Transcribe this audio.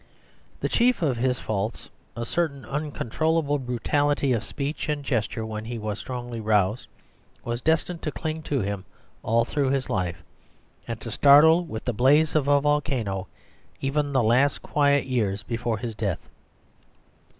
The chief of his faults, a certain uncontrollable brutality of speech and gesture when he was strongly roused, was destined to cling to him all through his life, and to startle with the blaze of a volcano even the last quiet years before his death.